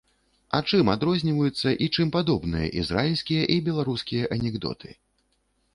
А чым адрозніваюцца і чым падобныя ізраільскія і беларускія анекдоты?